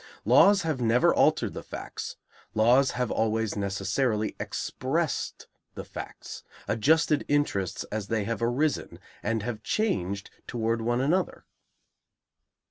Laws have never altered the facts; laws have always necessarily expressed the facts; adjusted interests as they have arisen and have changed toward one another.